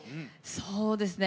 そうですね。